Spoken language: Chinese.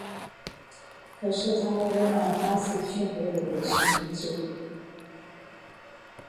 可是他们的恋爱关系却没有维持很久。